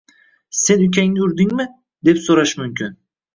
“Sen ukangni urdingmi?”, deb so‘rash mumkin